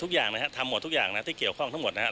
ทุกอย่างนะครับทำหมดทุกอย่างนะที่เกี่ยวข้องทั้งหมดนะครับ